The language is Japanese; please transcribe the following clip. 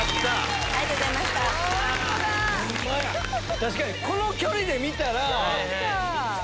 確かにこの距離で見たら。